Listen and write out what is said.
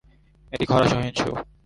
এটি খরা সহিঞ্চু।